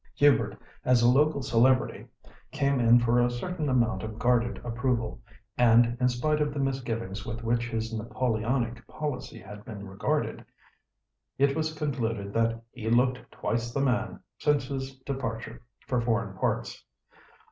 Hubert, as a local celebrity, came in for a certain amount of guarded approval, and, in spite of the misgivings with which his Napoleonic policy had been regarded, it was conceded that "he looked twice the man" since his departure for foreign parts.